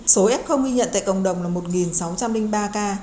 số f ghi nhận tại cộng đồng là một sáu trăm linh ba ca